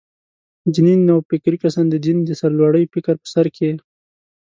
دیني نوفکري کسان «د دین د سرلوړۍ» فکر په سر کې.